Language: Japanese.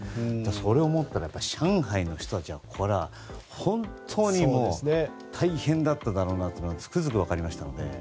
それを思ったら上海の人たちはこれは、本当に大変だっただろうなとつくづく分かりましたので。